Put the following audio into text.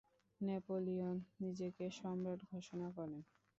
Napoleon নিজেকে সম্রাট ঘোষণা করেন।